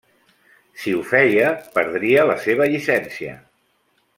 Si ho feia, perdria la seva llicència.